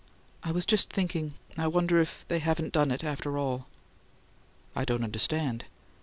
"I was just thinking I wonder if they haven't done it, after all." "I don't understand."